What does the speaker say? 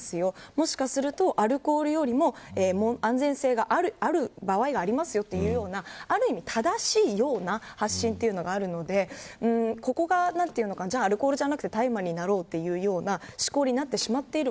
もしかするとアルコールよりも安全性がある場合がありますよというようなある意味正しいような発信というのがあるのでここがじゃあアルコールじゃなくて大麻になろうというような思考になってしまっている。